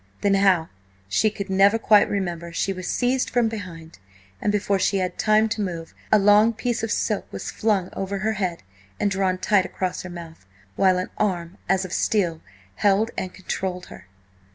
Then, how she could never quite remember, she was seized from behind, and before she had time to move, a long piece of silk was flung over her head and drawn tight across her mouth, while an arm, as of steel, held and controlled her.